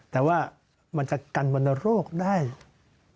แต่ว่ามันจะกันวัณรโรคได้หรือเปล่า